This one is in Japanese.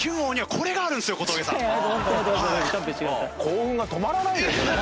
興奮が止まらないですね！